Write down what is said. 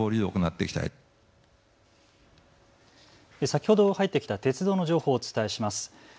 先ほど入ってきた鉄道の情報をお伝えします。